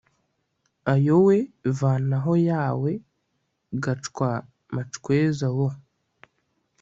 Ayo we vanaho yawe gacwa macweza wo